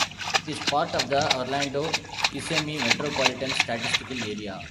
It is part of the Orlando-Kissimmee Metropolitan Statistical Area.